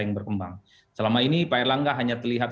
yang berkembang selama ini pak erlangga hanya terlihat